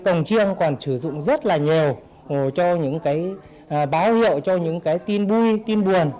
cổng chiêng còn sử dụng rất là nhiều báo hiệu cho những tin vui tin buồn